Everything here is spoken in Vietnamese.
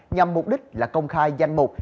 nhằm mục đích là công khai danh mục